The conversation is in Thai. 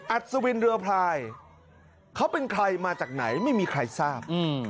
อัศวินเรือพลายเขาเป็นใครมาจากไหนไม่มีใครทราบ